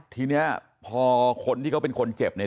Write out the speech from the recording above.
ทีนี้พอคนที่เขาเป็นคนเจ็บเนี่ย